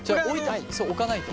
そう置かないと。